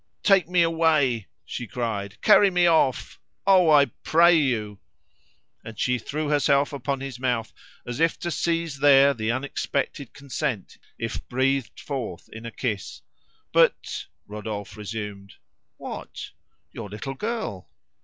"Take me away," she cried, "carry me off! Oh, I pray you!" And she threw herself upon his mouth, as if to seize there the unexpected consent if breathed forth in a kiss. "But " Rodolphe resumed. "What?" "Your little girl!"